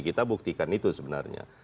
kita buktikan itu sebenarnya